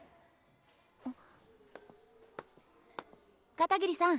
片桐さん。